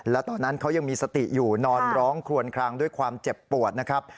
แล้วตอนนั้นเขายังมีสติอยู่นอนร้องคลวนคลางด้วยความเจ็บปวดนะครับ